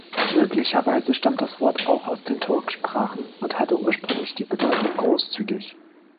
Möglicherweise stammt das Wort auch aus den Turksprachen und hatte ursprünglich die Bedeutung „großzügig“.